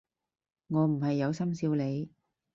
我唔係有心笑你